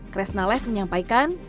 kerasna live menyampaikan